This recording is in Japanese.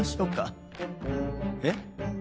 えっ？